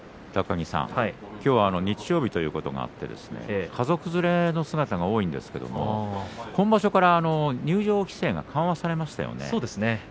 きょうは日曜日ということもあって、家族連れの姿が多いんですけれど今場所から入場規制が緩和されましたね。